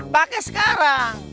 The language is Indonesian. pak rt sekarang